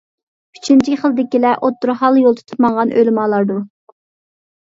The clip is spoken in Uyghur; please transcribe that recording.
ئۈچىنچى خىلدىكىلەر ئوتتۇرا ھال يول تۇتۇپ ماڭغان ئۆلىمالاردۇر.